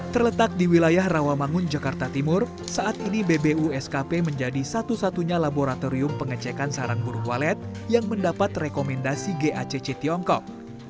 terletak di wilayah rawamangun jakarta timur saat ini bbu skp menjadi satu satunya laboratorium pengecekan sarang burung walet yang mendapat rekomendasi gacc tiongkok